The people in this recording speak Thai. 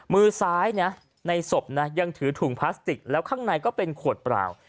มือซ้ายนะในศพนะยังถือถุงพลาสติกแล้วข้างในก็เป็นขวดเปล่า